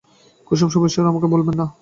কুসুম সবিস্ময়ে বলিল, আমাকে বলবেন না?